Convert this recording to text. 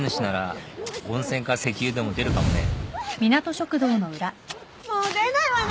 もう出ないわね。